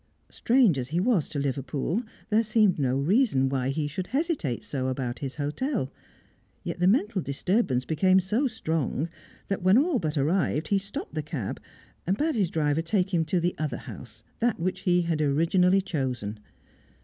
Strange as he was to Liverpool, there seemed no reason why he should hesitate so about his hotel; yet the mental disturbance became so strong that, when all but arrived, he stopped the cab and bade his driver take him to the other house, that which he had originally chosen.